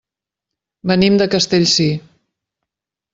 Venim de Castellcir.